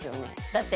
だって